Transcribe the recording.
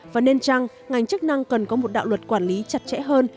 và nên chăng ngành chức năng cần có một đạo luật quản lý chặt chẽ hơn